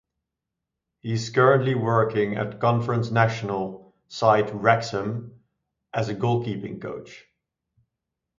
He is currently working at Conference National side Wrexham as a goalkeeping coach.